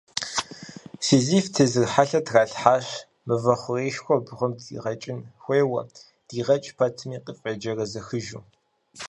Сизиф тезыр хьэлъэ тралъхьащ, мывэ хъуреишхуэр бгым дикъэкӏын хуейуэ, дигъэкӏ пэтми, къыфӏеджэрэзэхыжу.